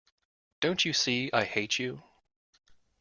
Don't you see I hate you.